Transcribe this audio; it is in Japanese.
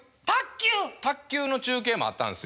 卓球の中継もあったんですよ。